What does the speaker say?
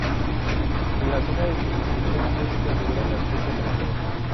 En la zona de distribución no se considera una especie amenazada.